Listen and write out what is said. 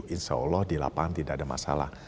insya allah di lapangan tidak ada masalah